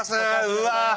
うわ。